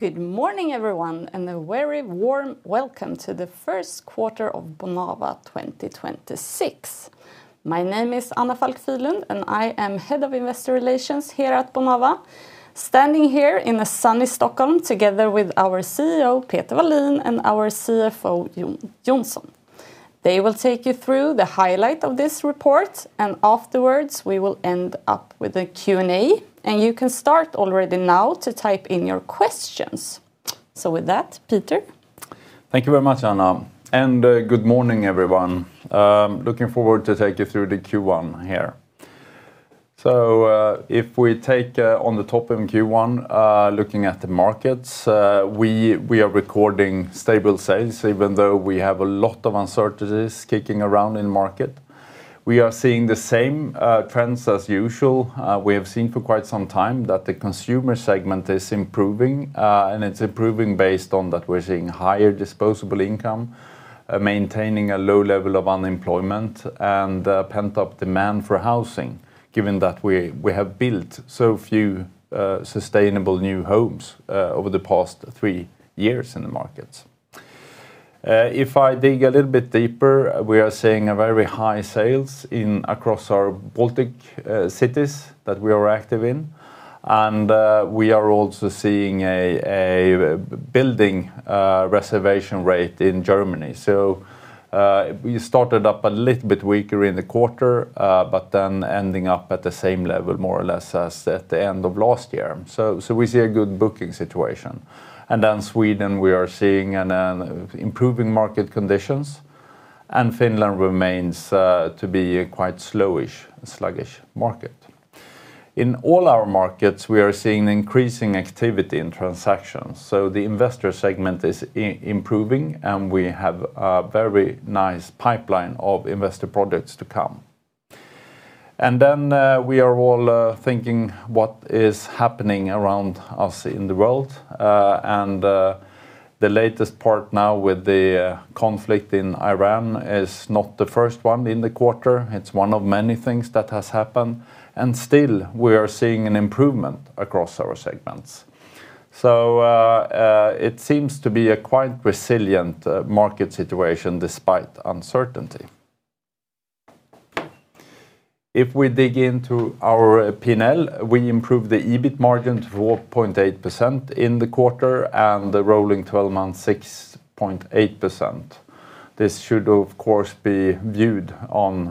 Good morning, everyone, and a very warm welcome to the first quarter of Bonava 2026. My name is Anna Falck Fyhrlund, and I am Head of Investor Relations here at Bonava. Standing here in a sunny Stockholm together with our CEO, Peter Wallin, and our CFO, Jon Johnsson. They will take you through the highlight of this report, and afterwards, we will end up with a Q&A. You can start already now to type in your questions. With that, Peter. Thank you very much, Anna. Good morning, everyone. Looking forward to take you through the Q1 here. If we take on the top in Q1, looking at the markets, we are recording stable sales even though we have a lot of uncertainties kicking around in market. We are seeing the same trends as usual. We have seen for quite some time that the consumer segment is improving, and it's improving based on that we're seeing higher disposable income, maintaining a low level of unemployment, and pent-up demand for housing given that we have built so few sustainable new homes over the past three years in the markets. If I dig a little bit deeper, we are seeing very high sales across our Baltic cities that we are active in. We are also seeing a building reservation rate in Germany. We started up a little bit weaker in the quarter, but then ending up at the same level more or less as at the end of last year. We see a good booking situation. Sweden, we are seeing an improving market conditions, and Finland remains to be a quite slowish, sluggish market. In all our markets, we are seeing increasing activity in transactions, so the investor segment is improving, and we have a very nice pipeline of investor products to come. We are all thinking what is happening around us in the world. The latest part now with the conflict in Iran is not the first one in the quarter. It's one of many things that has happened, and still we are seeing an improvement across our segments. It seems to be a quite resilient market situation despite uncertainty. If we dig into our P&L, we improve the EBIT margins 4.8% in the quarter, and the rolling twelve-month 6.8%.This should, of course, be viewed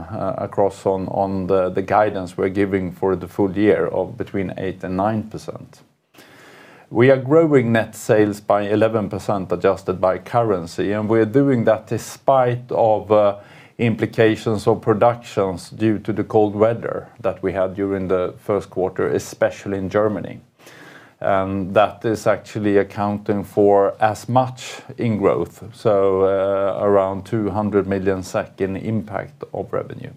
across the guidance we're giving for the full year of between 8% and 9%. We are growing net sales by 11% adjusted by currency, and we're doing that despite implications of production due to the cold weather that we had during the first quarter, especially in Germany. That is actually accounting for as much in growth, around 200 million in impact of revenue.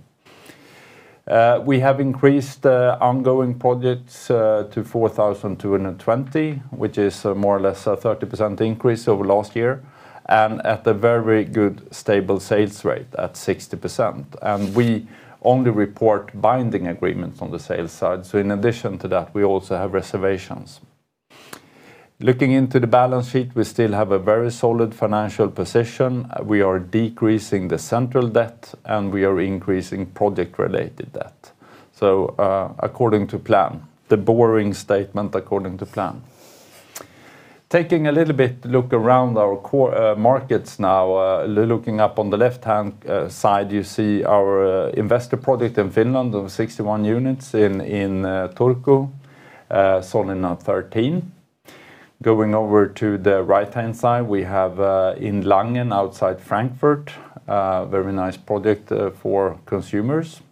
We have increased ongoing projects to 4,200, which is more or less a 30% increase over last year, and at the very good stable sales rate at 60%. We only report binding agreements on the sales side. In addition to that, we also have reservations. Looking into the balance sheet, we still have a very solid financial position. We are decreasing the central debt, and we are increasing project-related debt. According to plan. The borrowing statement according to plan. Taking a little bit look around our core markets now. Looking up on the left-hand side, you see our investor product in Finland of 61 units in Turku sold in 13. Going over to the right-hand side, we have in Langen outside Frankfurt very nice project for consumers.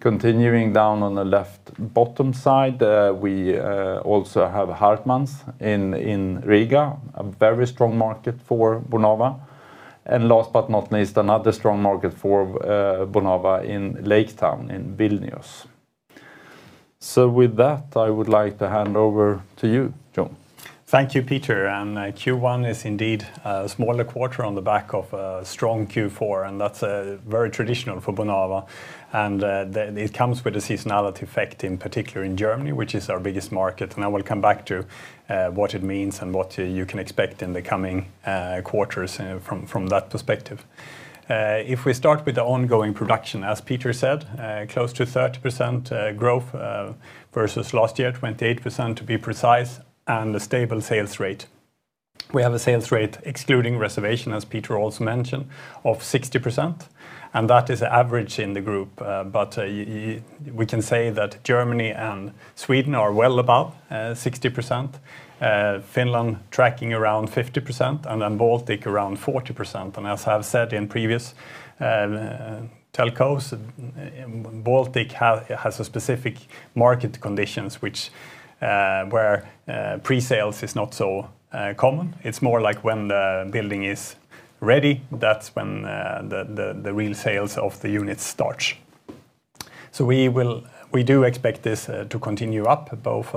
Continuing down on the left bottom side, we also have Hartmanns in Riga, a very strong market for Bonava. Last but not least, another strong market for Bonava in Lake Town in Vilnius. With that, I would like to hand over to you, Jon. Thank you, Peter. Q1 is indeed a smaller quarter on the back of a strong Q4, and that's very traditional for Bonava. It comes with a seasonality effect in particular in Germany, which is our biggest market. I will come back to what it means and what you can expect in the coming quarters from that perspective. If we start with the ongoing production, as Peter said, close to 30% growth versus last year, 28% to be precise, and a stable sales rate. We have a sales rate excluding reservation, as Peter also mentioned, of 60%, and that is average in the group. We can say that Germany and Sweden are well above 60%. Finland tracking around 50%, and then Baltic around 40%. As I've said in previous telcos, Baltic has specific market conditions which where pre-sales is not so common. It's more like when the building is ready, that's when the real sales of the units start. We do expect this to continue up both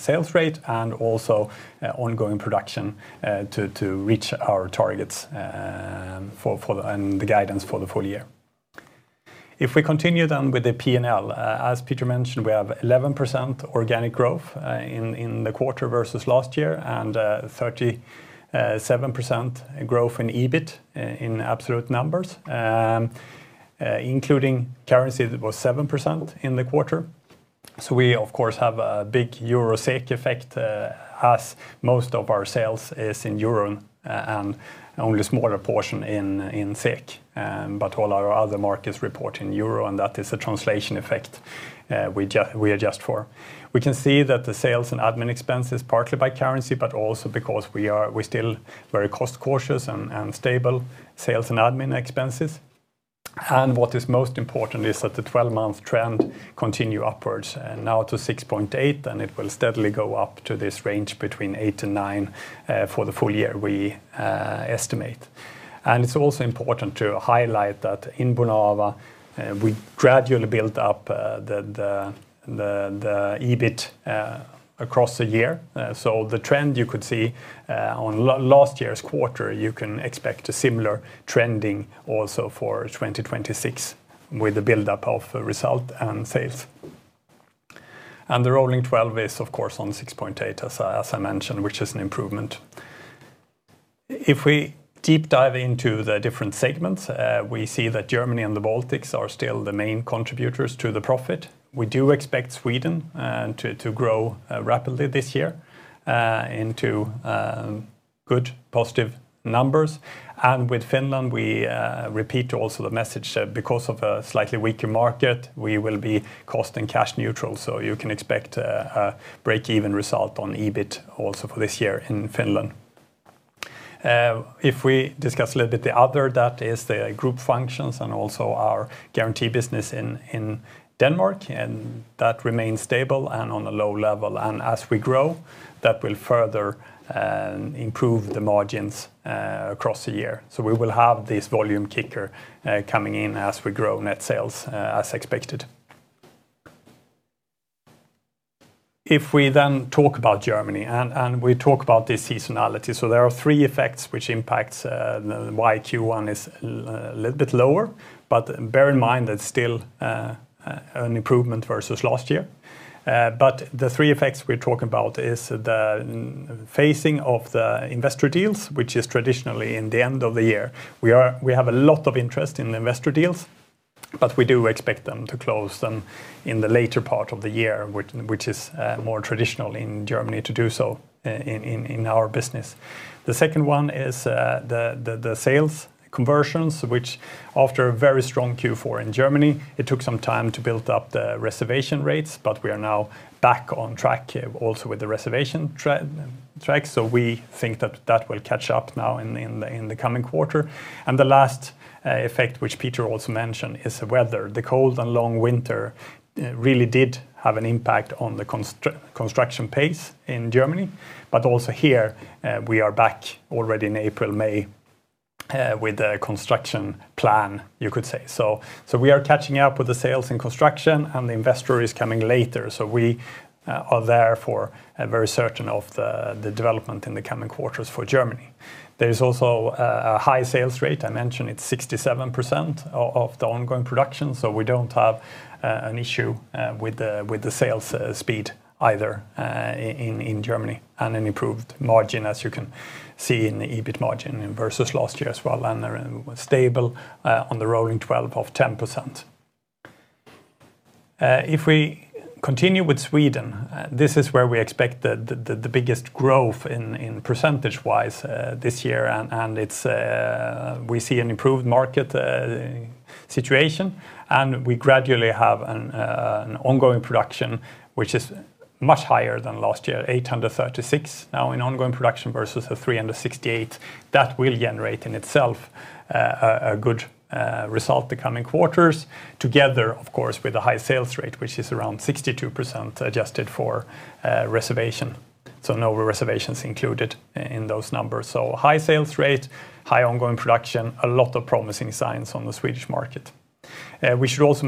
sales rate and also ongoing production to reach our targets for and the guidance for the full year. If we continue then with the P&L, as Peter mentioned, we have 11% organic growth in the quarter versus last year, and 37% growth in EBIT in absolute numbers. Including currency that was 7% in the quarter. We of course have a big Euro/SEK effect, as most of our sales is in Euro and only a smaller portion in SEK. All our other markets report in Euro, and that is a translation effect, we adjust for. We can see that the sales and admin expenses, partly by currency, but also because we're still very cost cautious and stable sales and admin expenses. What is most important is that the twelve-month trend continue upwards and now to 6.8%, and it will steadily go up to this range between 8%-9%, for the full year we estimate. It's also important to highlight that in Bonava, we gradually built up the EBIT across the year. The trend you could see on last year's quarter, you can expect a similar trending also for 2026 with the buildup of result and sales. The rolling 12 is of course on 6.8% as I mentioned, which is an improvement. If we deep dive into the different segments, we see that Germany and the Baltics are still the main contributors to the profit. We do expect Sweden to grow rapidly this year into good positive numbers. With Finland, we repeat also the message because of a slightly weaker market, we will be cost and cash neutral. You can expect a break-even result on EBIT also for this year in Finland. If we discuss a little bit the other, that is the group functions and also our guarantee business in Denmark, and that remains stable and on a low level. As we grow, that will further improve the margins across the year. We will have this volume kicker coming in as we grow net sales as expected. If we then talk about Germany and we talk about this seasonality. There are three effects which impacts why Q1 is a little bit lower, but bear in mind that still an improvement versus last year. The three effects we're talking about is the phasing of the investor deals, which is traditionally in the end of the year. We have a lot of interest in the investor deals, but we do expect them to close them in the later part of the year, which is more traditional in Germany to do so in our business. The second one is the sales conversions, which after a very strong Q4 in Germany, it took some time to build up the reservation rates, but we are now back on track also with the reservation track. We think that will catch up now in the coming quarter. The last effect, which Peter also mentioned, is the weather. The cold and long winter really did have an impact on the construction pace in Germany. We are back already in April, May, with the construction plan, you could say. We are catching up with the sales and construction and the investor is coming later. We are therefore very certain of the development in the coming quarters for Germany. There is also a high sales rate. I mentioned it's 67% of the ongoing production, so we don't have an issue with the sales speed either in Germany and an improved margin, as you can see in the EBIT margin versus last year as well, and they're stable on the rolling 12 of 10%. If we continue with Sweden, this is where we expect the biggest growth in percentage-wise this year, and it's we see an improved market situation. We gradually have an ongoing production, which is much higher than last year, 836 now in ongoing production versus the 368. That will generate in itself a good result in the coming quarters together, of course, with a high sales rate, which is around 62% adjusted for reservation. No reservations included in those numbers. High sales rate, high ongoing production, a lot of promising signs on the Swedish market. We should also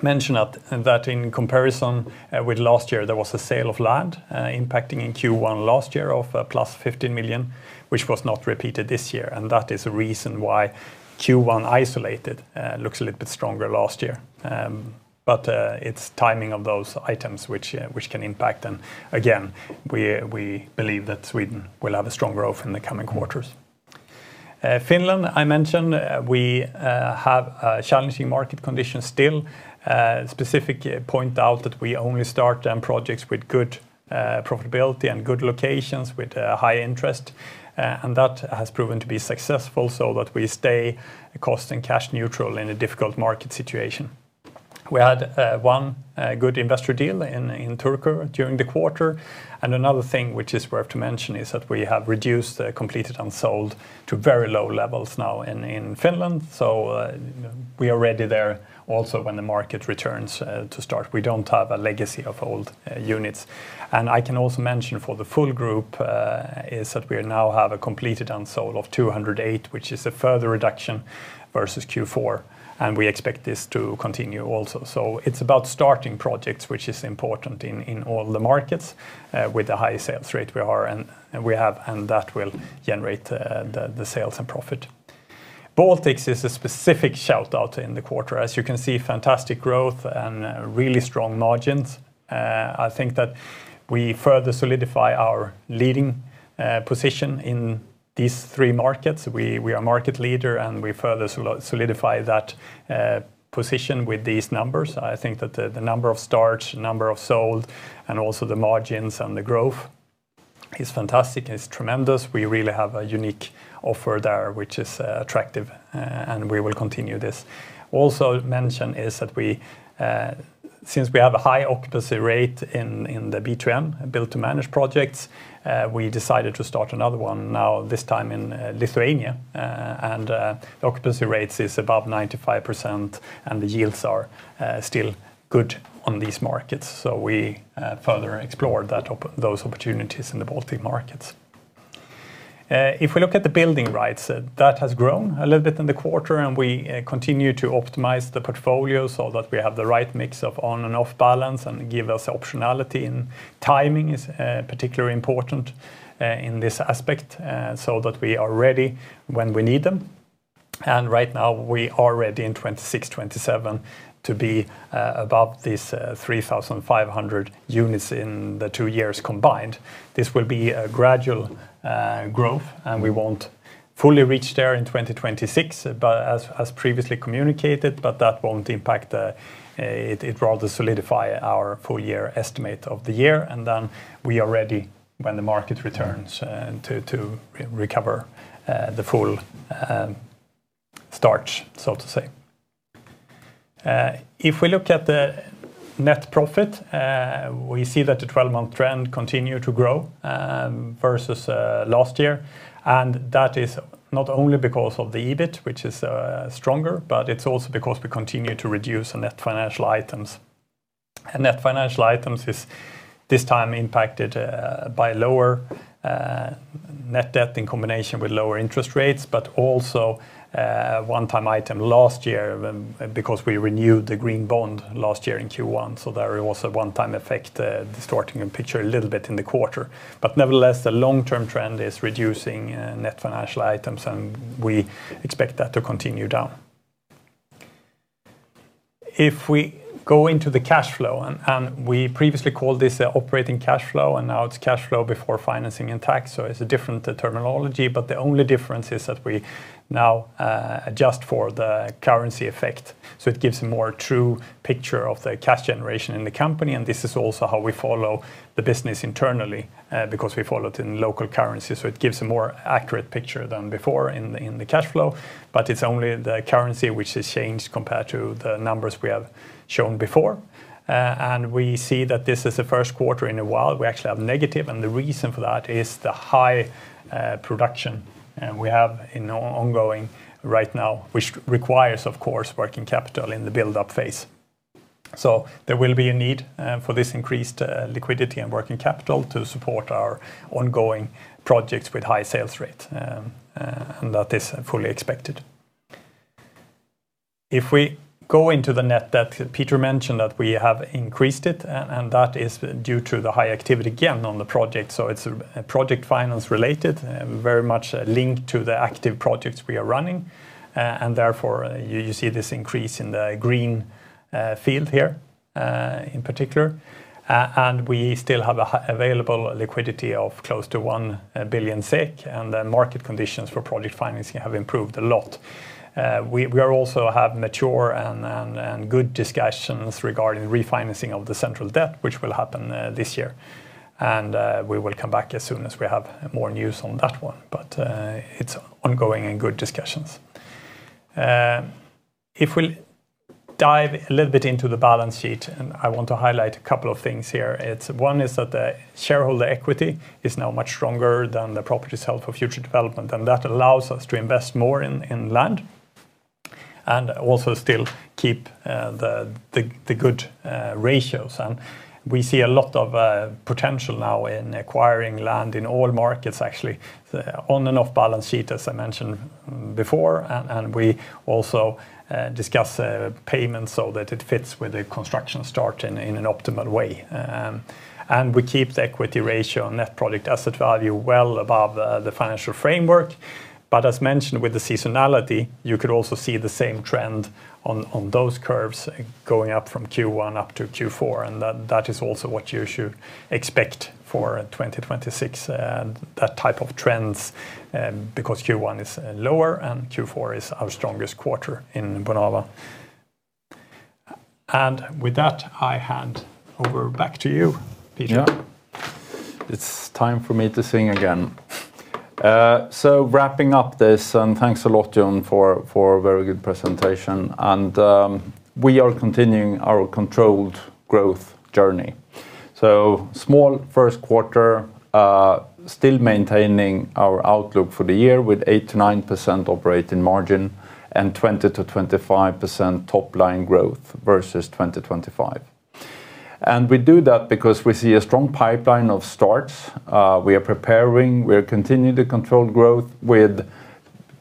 mention that in comparison with last year, there was a sale of land impacting in Q1 last year of +15 million, which was not repeated this year. That is a reason why Q1 isolated looks a little bit stronger last year. It's timing of those items which can impact. Again, we believe that Sweden will have a strong growth in the coming quarters. Finland, I mentioned we have challenging market conditions still. Specifically point out that we only start projects with good profitability and good locations with high interest. That has proven to be successful so that we stay cost and cash neutral in a difficult market situation. We had one good investor deal in Turku during the quarter. Another thing which is worth mentioning is that we have reduced the Completed Unsold to very low levels now in Finland. We are ready there also when the market returns to start. We don't have a legacy of old units. I can also mention for the full group, is that we now have a Completed Unsold of 208, which is a further reduction versus Q4, and we expect this to continue also. It's about starting projects, which is important in all the markets with the high sales rate we are and we have, and that will generate the sales and profit. Baltics is a specific shout-out in the quarter. As you can see, fantastic growth and really strong margins. I think that we further solidify our leading position in these three markets. We are market leader, and we further solidify that position with these numbers. I think that the number of starts, number of sold, and also the margins and the growth is fantastic, is tremendous. We really have a unique offer there, which is attractive, and we will continue this. Also mention is that we, since we have a high occupancy rate in the BTM, built-to-manage projects, we decided to start another one now this time in Lithuania. The occupancy rates is above 95%, and the yields are still good on these markets. We further explore those opportunities in the Baltic markets. If we look at the Building Rights, that has grown a little bit in the quarter, and we continue to optimize the portfolio so that we have the right mix of on and off balance and give us optionality. Timing is particularly important in this aspect, so that we are ready when we need them. Right now, we are ready in 2026, 2027 to be above this 3,500 units in the two years combined. This will be a gradual growth, and we won't fully reach there in 2026, but as previously communicated. That won't impact the, it rather solidify our full year estimate of the year, and then we are ready when the market returns to recover the full start, so to say. If we look at the net profit, we see that the 12-month trend continue to grow versus last year. That is not only because of the EBIT, which is stronger, but it's also because we continue to reduce net financial items. Net financial items is this time impacted by lower net debt in combination with lower interest rates, but also one-time item last year when because we renewed the green bond last year in Q1. There was a one-time effect distorting the picture a little bit in the quarter. Nevertheless, the long-term trend is reducing net financial items, and we expect that to continue down. If we go into the cash flow and we previously called this operating cash flow, and now it's Cash Flow Before Financing and Tax, so it's a different terminology. The only difference is that we now adjust for the currency effect, so it gives a more true picture of the cash generation in the company. This is also how we follow the business internally because we follow it in local currency. It gives a more accurate picture than before in the cash flow, but it's only the currency which has changed compared to the numbers we have shown before. We see that this is the first quarter in a while we actually have negative, and the reason for that is the high production we have ongoing right now, which requires, of course, working capital in the buildup phase. There will be a need for this increased liquidity and working capital to support our ongoing projects with high sales rate. That is fully expected. If we go into the net debt Peter mentioned that we have increased it, and that is due to the high activity again on the project. It's a project finance related, very much linked to the active projects we are running. Therefore you see this increase in the green field here in particular. We still have a high available liquidity of close to 1 billion SEK, and the market conditions for project financing have improved a lot. We also have mature and good discussions regarding refinancing of the central debt, which will happen this year. We will come back as soon as we have more news on that one. It's ongoing and good discussions. If we dive a little bit into the balance sheet, I want to highlight a couple of things here. One is that the shareholder equity is now much stronger than the property held for future development, and that allows us to invest more in land and also still keep the good ratios. We see a lot of potential now in acquiring land in all markets actually, on and off balance sheet, as I mentioned before. We also discuss payments so that it fits with the construction start in an optimal way. We keep the Equity Ratio on net project asset value well above the financial framework. As mentioned with the seasonality, you could also see the same trend on those curves going up from Q1 up to Q4. That is also what you should expect for 2026. That type of trends, because Q1 is lower and Q4 is our strongest quarter in Bonava. With that, I hand over back to you, Peter. Yeah. It's time for me to sing again. Wrapping up this, thanks a lot, Jon, for a very good presentation. We are continuing our controlled growth journey. Small first quarter, still maintaining our outlook for the year with 8%-9% operating margin and 20%-25% top line growth versus 2025. We do that because we see a strong pipeline of starts. We are preparing. We are continuing the controlled growth with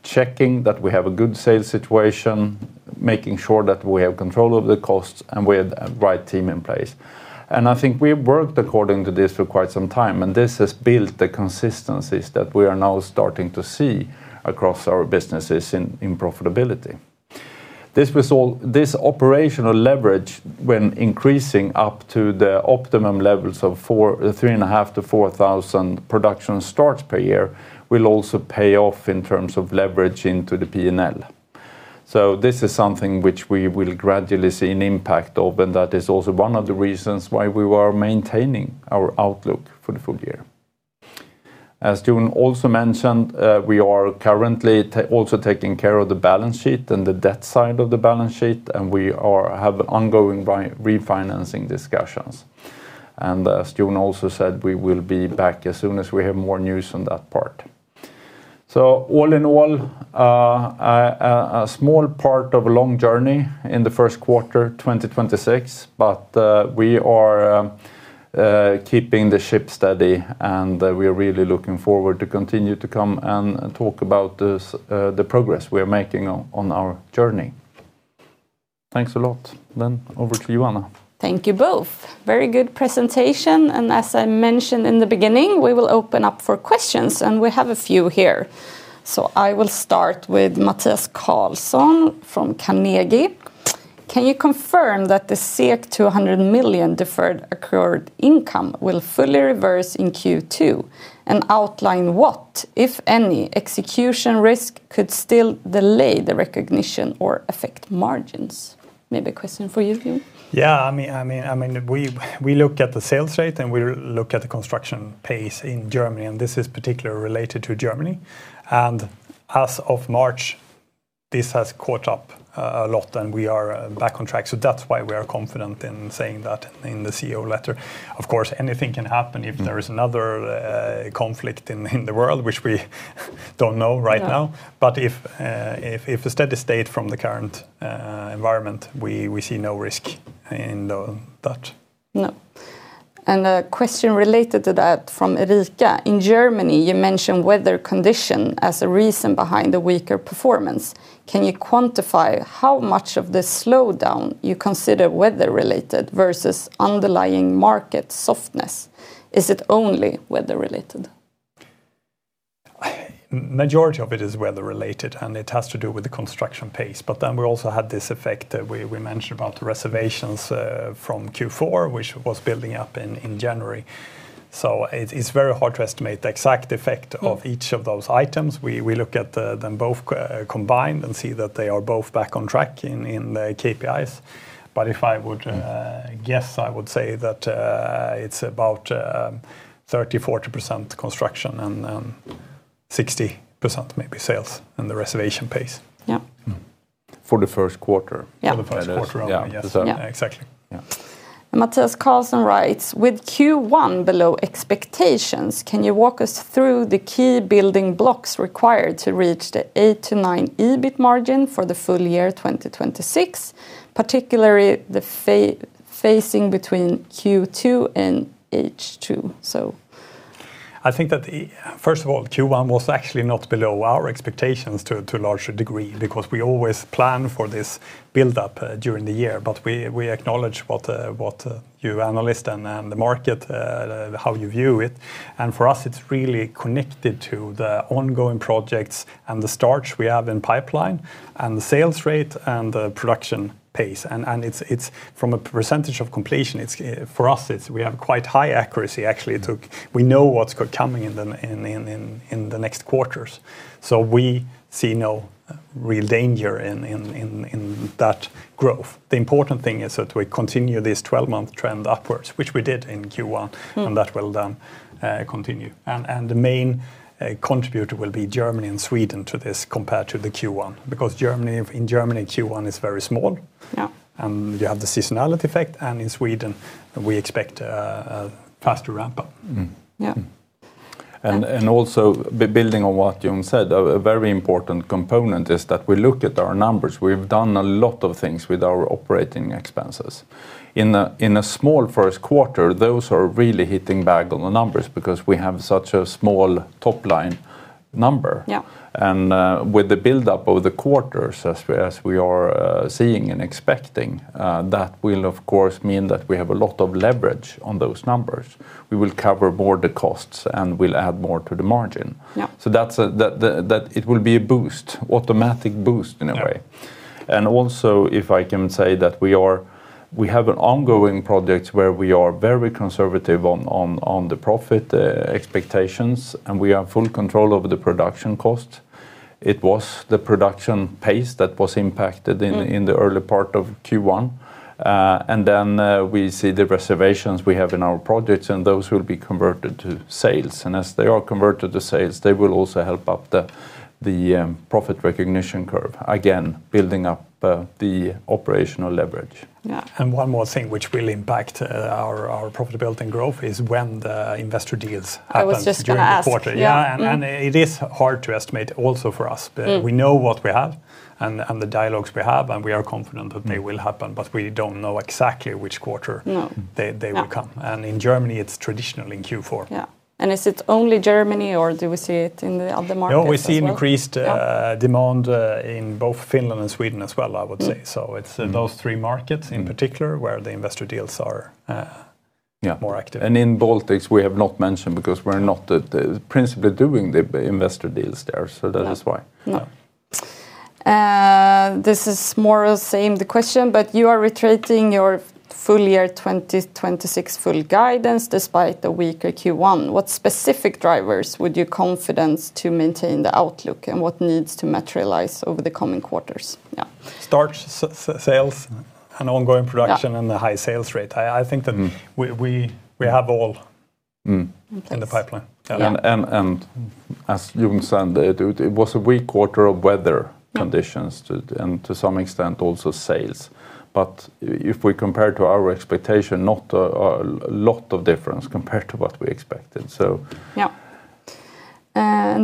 checking that we have a good sales situation, making sure that we have control of the costs, and we have the right team in place. I think we've worked according to this for quite some time, and this has built the consistencies that we are now starting to see across our businesses in profitability. This operational leverage when increasing up to the optimum levels of 3,500-4,000 production starts per year will also pay off in terms of leverage into the P&L. This is something which we will gradually see an impact of, and that is also one of the reasons why we are maintaining our outlook for the full year. As Jon Johnsson also mentioned, we are currently also taking care of the balance sheet and the debt side of the balance sheet, and we have ongoing refinancing discussions. As Jon Johnsson also said, we will be back as soon as we have more news on that part. All in all, a small part of a long journey in the first quarter, 2026, but we are keeping the ship steady, and we are really looking forward to continue to come and talk about this, the progress we are making on our journey. Thanks a lot. Then over to you, Anna. Thank you both. Very good presentation. As I mentioned in the beginning, we will open up for questions, and we have a few here. I will start with Mathias Carlson from Carnegie. Can you confirm that the 200 million deferred accrued income will fully reverse in Q2, and outline what, if any, execution risk could still delay the recognition or affect margins? Maybe a question for you, Jon. Yeah, I mean, we look at the sales rate, and we look at the construction pace in Germany, and this is particularly related to Germany. As of March, this has caught up a lot, and we are back on track. That's why we are confident in saying that in the CEO letter. Of course, anything can happen if there is another conflict in the world, which we don't know right now. Yeah. If a steady state from the current environment, we see no risk in that. No. A question related to that from Erica. In Germany, you mentioned weather condition as a reason behind the weaker performance. Can you quantify how much of the slowdown you consider weather-related versus underlying market softness? Is it only weather-related? Majority of it is weather-related, and it has to do with the construction pace. We also had this effect that we mentioned about the reservations from Q4, which was building up in January. It's very hard to estimate the exact effect of each of those items. We look at them both combined and see that they are both back on track in the KPIs. If I would guess, I would say that it's about 30%, 40% construction and 60% maybe sales and the reservation pace. Yeah. For the first quarter. For the first quarter, I would guess. Exactly. Yeah. Mathias Carlson writes, "With Q1 below expectations, can you walk us through the key building blocks required to reach the 8%-9% EBIT margin for the full year 2026, particularly the phasing between Q2 and H2?" So. I think that, first of all, Q1 was actually not below our expectations to a large degree because we always plan for this build-up during the year. We acknowledge what you analysts and the market how you view it. For us, it's really connected to the ongoing projects and the starts we have in pipeline and the sales rate and the production pace. It's from a Percentage of Completion, it's for us, it's we have quite high accuracy, actually. We know what's coming in the next quarters. We see no real danger in that growth. The important thing is that we continue this 12-month trend upwards, which we did in Q1, and that will continue. The main contributor will be Germany and Sweden to this compared to the Q1. Because in Germany, Q1 is very small. Yeah. You have the seasonality effect. In Sweden, we expect a faster ramp up. Yeah. Also building on what Jon said, a very important component is that we look at our numbers. We've done a lot of things with our operating expenses. In a small first quarter, those are really hitting back on the numbers because we have such a small top line number. Yeah. With the build-up of the quarters as we are seeing and expecting, that will, of course, mean that we have a lot of leverage on those numbers. We will cover more the costs, and we'll add more to the margin. Yeah. It will be a boost, automatic boost in a way. Also, if I can say that we have an ongoing project where we are very conservative on the profit expectations, and we have full control over the production cost. It was the production pace that was impacted in the early part of Q1. We see the reservations we have in our projects, and those will be converted to sales. As they are converted to sales, they will also help up the profit recognition curve, again, building up the operational leverage. Yeah. One more thing which will impact our profitability and growth is when the investor deals happen- I was just gonna ask. -during the quarter. Yeah. It is hard to estimate also for us. We know what we have and the dialogues we have, and we are confident that they will happen, but we don't know exactly which quarter- No. -they will come. In Germany, it's traditionally Q4. Yeah. Is it only Germany, or do we see it in the other markets as well? No, we see increased demand in both Finland and Sweden as well, I would say. It's those three markets in particular where the investor deals are,- Yeah. -more active. In Baltics, we have not mentioned because we're not principally doing the investor deals there- No. -so that is why. No, this is more of the same question, but you are reiterating your full-year 2026 guidance despite the weaker Q1. What specific drivers would give you confidence to maintain the outlook, and what needs to materialize over the coming quarters? Starts, sales and ongoing production- Yeah. -the high sales rate. I think that we have all- In place. -in the pipeline. Yeah. And as Jon said, it was a weak quarter due to weather conditions- Yeah -and to some extent also sales. If we compare to our expectation, not a lot of difference compared to what we expected, so. Yeah.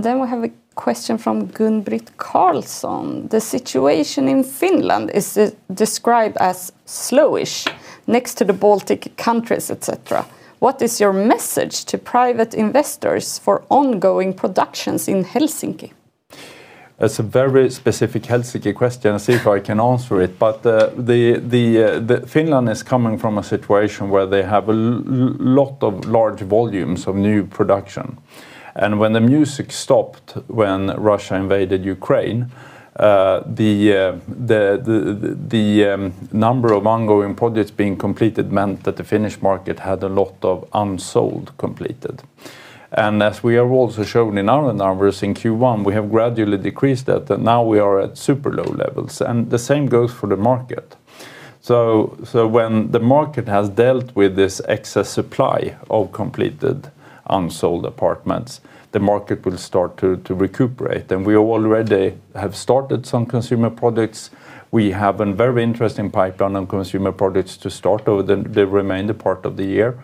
Then we have a question from Gunn-Britt Karlsson. The situation in Finland is described as slowish next to the Baltic countries, et cetera. What is your message to private investors for ongoing productions in Helsinki? That's a very specific Helsinki question. I'll see if I can answer it. Finland is coming from a situation where they have a lot of large volumes of new production. When the music stopped, when Russia invaded Ukraine, the number of ongoing projects being completed meant that the Finnish market had a lot of unsold completed. As we have also shown in our numbers, in Q1, we have gradually decreased that, and now we are at super low levels, and the same goes for the market. When the market has dealt with this excess supply of Completed Unsold apartments, the market will start to recuperate, and we already have started some consumer products. We have a very interesting pipeline on consumer products to start over the remainder part of the year.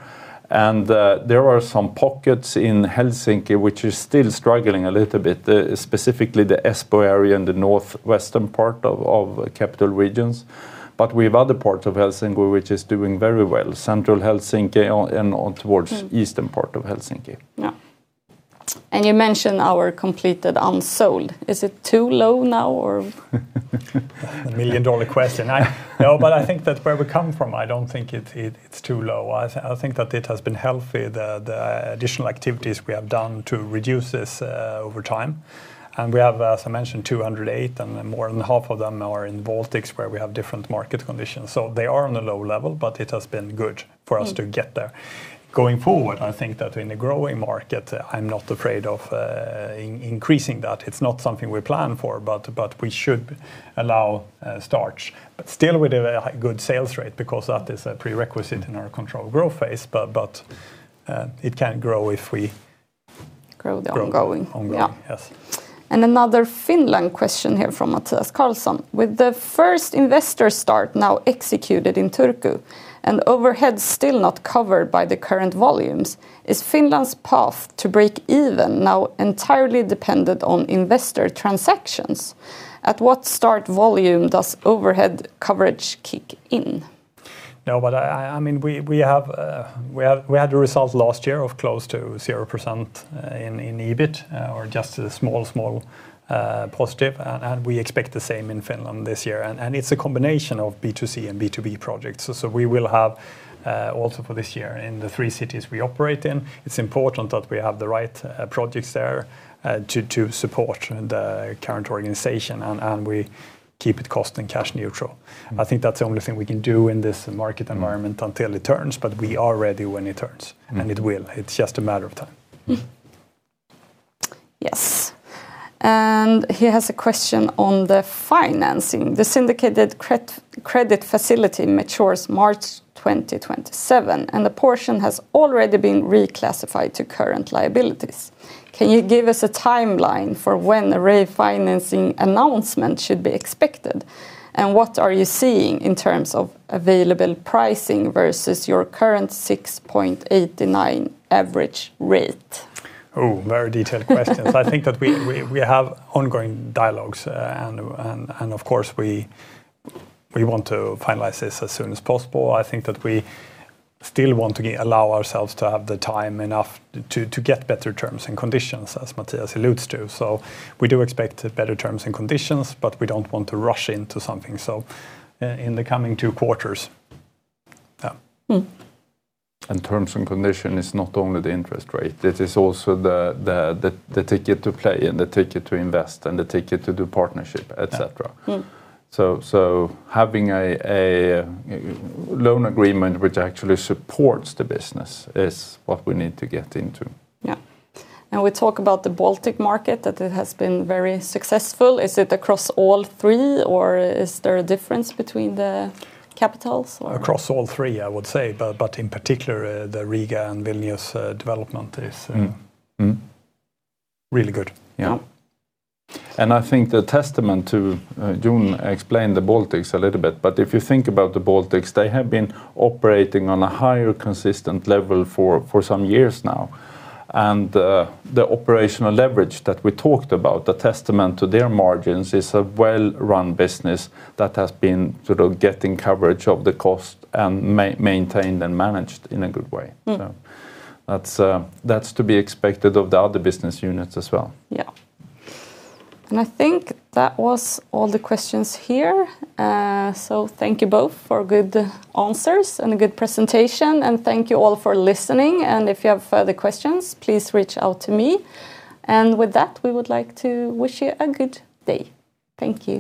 There are some pockets in Helsinki which is still struggling a little bit, specifically the Espoo area in the northwestern part of capital regions. We have other parts of Helsinki which is doing very well, central Helsinki and on towards eastern part of Helsinki. Yeah. You mentioned our Completed Unsold. Is it too low now, or? The million-dollar question. No, but I think that where we come from, I don't think it's too low. I think that it has been healthy, the additional activities we have done to reduce this over time, and we have, as I mentioned, 208, and more than half of them are in Baltics where we have different market conditions. They are on a low level, but it has been good for us to get there. Going forward, I think that in a growing market, I'm not afraid of increasing that. It's not something we plan for, but we should allow starts. Still we do a good sales rate because that is a prerequisite in our control growth phase. It can grow if we- Grow the ongoing. -grow ongoing. Yeah. Yes. Another Finland question here from Mathias Carlson. With the first investor start now executed in Turku, and overhead still not covered by the current volumes, is Finland's path to break even now entirely dependent on investor transactions? At what start volume does overhead coverage kick in? No, but we had the results last year of close to 0% in EBIT or just a small positive and we expect the same in Finland this year. It's a combination of B2C and B2B projects. We will have also for this year in the three cities we operate in. It's important that we have the right projects there to support the current organization and we keep it cost and cash neutral. I think that's the only thing we can do in this market environment until it turns, but we are ready when it turns. Mm. It will. It's just a matter of time. Yes. Here is a question on the financing. The syndicated credit facility matures March 2027, and the portion has already been reclassified to current liabilities. Can you give us a timeline for when the refinancing announcement should be expected, and what are you seeing in terms of available pricing versus your current 6.89 average rate? Oh, very detailed questions. I think that we have ongoing dialogues and of course we want to finalize this as soon as possible. I think that we still want to allow ourselves to have the time enough to get better terms and conditions as Mathias alludes to. We do expect better terms and conditions, but we don't want to rush into something in the coming two quarters. Yeah. Mm. Terms and condition is not only the interest rate, it is also the ticket to play and the ticket to invest and the ticket to do partnership, et cetera. Mm. Having a loan agreement which actually supports the business is what we need to get into. Yeah. Now we talk about the Baltic market, that it has been very successful. Is it across all three, or is there a difference between the capitals or? Across all three, I would say, but in particular the Riga and Vilnius development is- Mm. Mm. -really good. Yeah. Mm. I think the testament to, Jon explained the Baltics a little bit, but if you think about the Baltics, they have been operating on a higher consistent level for some years now, and the operational leverage that we talked about, the testament to their margins is a well-run business that has been sort of getting coverage of the cost and maintained and managed in a good way. Mm. That's to be expected of the other business units as well. Yeah. I think that was all the questions here. Thank you both for good answers and a good presentation, and thank you all for listening, and if you have further questions, please reach out to me, and with that, we would like to wish you a good day. Thank you.